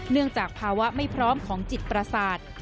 จากภาวะไม่พร้อมของจิตประสาท